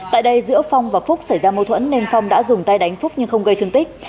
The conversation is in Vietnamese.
tại đây giữa phong và phúc xảy ra mâu thuẫn nên phong đã dùng tay đánh phúc nhưng không gây thương tích